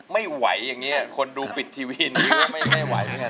ไม่ไหวอย่างนี้คนดูปิดทีวียังไม่ไหว